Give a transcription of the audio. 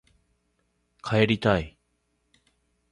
帰りたい